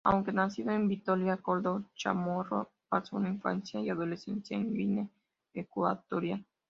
Aunque nacido en Vitoria, Koldo Chamorro pasó su infancia y adolescencia en Guinea Ecuatorial.